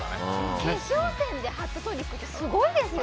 決勝戦でハットトリックってすごいよね。